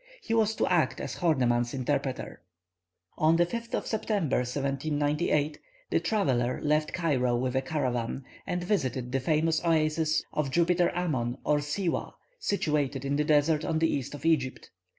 He was to act as Horneman's interpreter. On the 5th of September, 1798, the traveller left Cairo with a caravan, and visited the famous oasis of Jupiter Ammon or Siwah, situated in the desert on the east of Egypt.